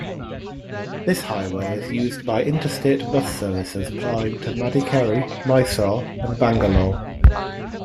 This highway is used by interstate bus services plying to Madikeri, Mysore and Bangalore.